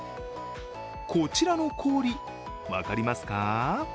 こちらの氷、分かりますか？